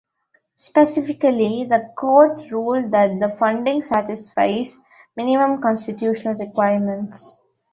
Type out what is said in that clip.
Specifically, the court ruled that the funding satisfies minimum constitutional requirements.